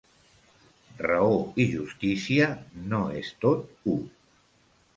Raó i justícia no és tot u.